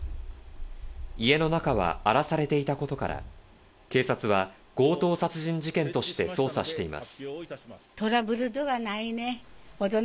家の中は荒らされていたことから、警察は、強盗殺人事件として捜査しています。